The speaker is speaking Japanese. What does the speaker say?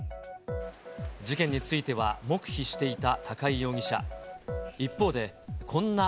事件については黙秘していた高井容疑者。